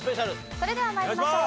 それでは参りましょう。